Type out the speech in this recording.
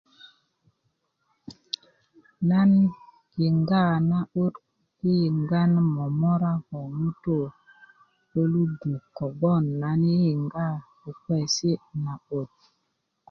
nan yinga na'but i yinga na momora ko ŋutu lo luduk kobgoŋ nan yiyinga kukuwesi na'but